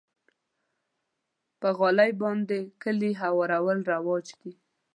په غالۍ باندې کالي هوارول رواج دی.